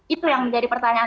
itu yang menjadi pertanyaan